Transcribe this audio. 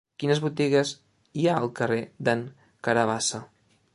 Quines botigues hi ha al carrer d'en Carabassa?